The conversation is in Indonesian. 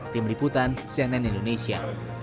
tim liputan cnn indonesia